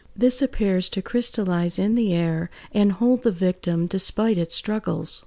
This appears to crystallize in the air and hold the victim despite its struggles.